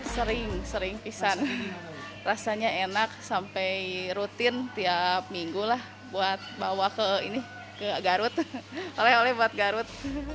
sering sering pisang rasanya enak sampai rutin tiap minggu lah buat bawa ke garut